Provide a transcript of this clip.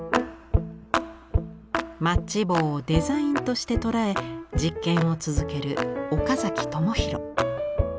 マッチ棒をデザインとして捉え実験を続ける岡崎智弘。